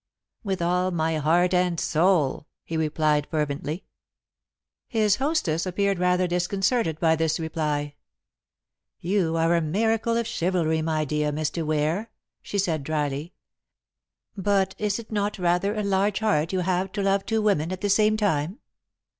"With all my heart and soul," he replied fervently. His hostess appeared rather disconcerted by this reply. "You are a miracle of chivalry, my dear Mr. Ware," she said dryly. "But is it not rather a large heart you have to love two women at the same time?"